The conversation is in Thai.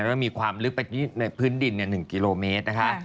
แล้วมีความลึกในพื้นดิน๑กิโลเมตรนะคะ